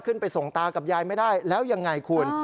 ขึ้นไปส่งตากับยายไม่ได้แล้วยังไงคุณ